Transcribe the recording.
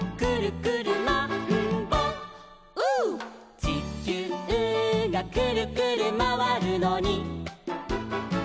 「ちきゅうがくるくるまわるのに」